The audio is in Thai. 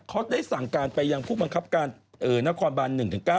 เขาได้สั่งการไปยังผู้บังคับการนครบัน๑๙